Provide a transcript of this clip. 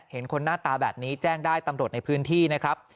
เห็นคนหน้าตาแบบนี้แจ้งได้ตำรวจในพื้นที่นะครับ